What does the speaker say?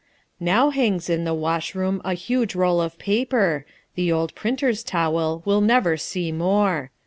Now hangs in the washroom a huge roll of paper The old printer's towel we'll never see more.